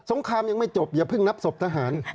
งครามยังไม่จบอย่าเพิ่งนับศพทหาร